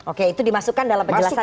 oke itu dimasukkan dalam penjelasannya ya